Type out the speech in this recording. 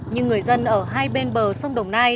nhưng người dân ở hai bên bờ sông đồng nai